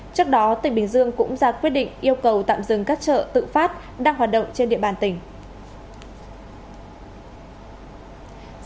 trước đó tỉnh bình dương cũng ra quyết định yêu cầu tạm dừng các chợ tự phát đang hoạt động trên địa bàn tỉnh